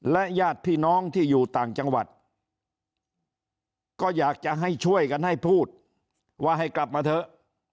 และญาติพี่น้องที่อยู่ต่างจังหวัดก็อยากจะให้ช่วยกันให้พูดว่าให้กลับมาเถอะ